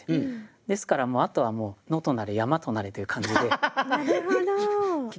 ですからあとはもう野となれ山となれという感じで。